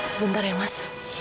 sebentar ya mas